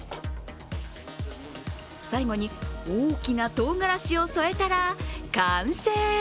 最後に、大きなとうがらしを添えたら完成。